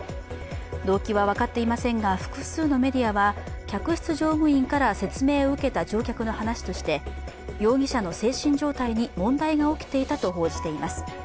動機は分かっていませんが複数のメディアは客室乗務員から説明を受けた乗客の話として容疑者の精神状態に問題が起きていたと報じています。